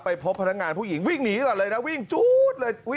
พบพนักงานผู้หญิงวิ่งหนีก่อนเลยนะวิ่งจู๊ดเลย